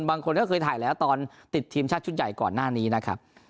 บางคนก็เคยถ่ายแล้วตอนติดทีมชาติชุดใหญ่ก่อนหน้านี้นะครับ